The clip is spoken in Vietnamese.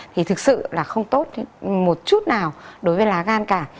thì thực sự là không tốt một chút nào đối với lá gan cả